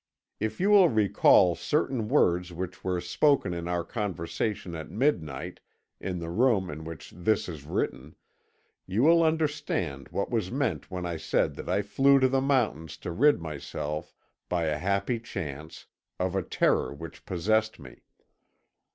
If you will recall certain words which were spoken in our conversation at midnight in the room in which this is written, you will understand what was meant when I said that I flew to the mountains to rid myself, by a happy chance, of a terror which possessed me.